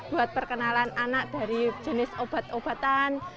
buat perkenalan anak dari jenis obat obatan